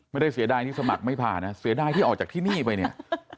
ไม่ได้เสียดายที่สมัครไม่ผ่านะเสียดายที่ออกจากที่นี่ไปเนี่ย